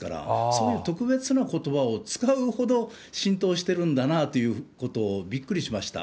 そういう特別なことばを使うほど浸透してるんだなということをびっくりしました。